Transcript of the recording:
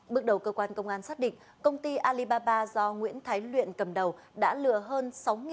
bước đầu cơ quan công an xác định công ty alibaba do nguyễn thái luyện cầm đầu đã lừa hơn